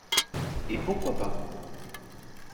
Et pourquoi pas?